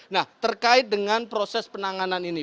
nah terkait dengan proses penanganan ini